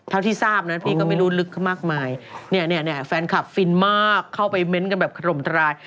เท่าที่ทราบนะพี่ก็ไม่รู้ลึกมากมายเนี่ยแฟนคลับฟินมากเข้าไปเม้นต์กันแบบขลมทราย